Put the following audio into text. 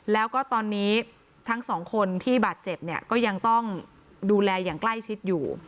แล้วก็ตอนนี้ทั้งสองคนที่บาดเจ็บเนี่ยก็ยังต้องดูแลอย่างใกล้ชิดอยู่